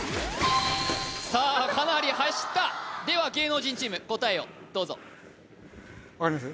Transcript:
さあかなり走ったでは芸能人チーム答えをどうぞ分かります？